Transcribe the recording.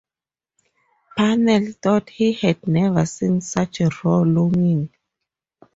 Pennell thought he had never seen such raw longing.